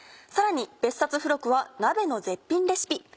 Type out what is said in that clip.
さらに別冊付録は鍋の絶品レシピ。